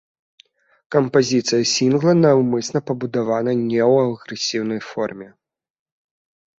Кампазіцыя сінгла наўмысна пабудавана не ў агрэсіўнай форме.